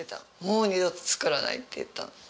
もう二度と作らないって言った。